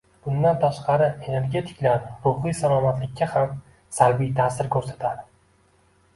Bundan tashqari, energetiklar ruhiy salomatlikka ham salbiy taʼsir koʻrsatadi.